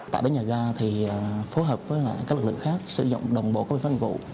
tại bến nhà ra thì phối hợp với các lực lượng khác sử dụng đồng bộ phát hình vụ